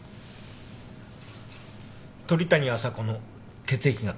鳥谷亜沙子の血液型は？